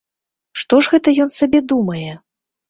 Што ж гэта ён сабе думае?